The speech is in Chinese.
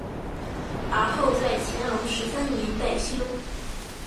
而后在乾隆十三年再修。